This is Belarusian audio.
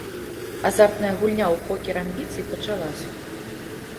Азартная гульня ў покер амбіцый пачалася.